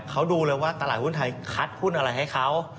เขาดูเลยว่าตลาดหุ้นไทยคัดหุ้นอะไรให้เขา